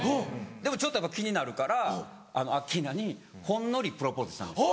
でもちょっとやっぱ気になるからアッキーナにほんのりプロポーズしたんです。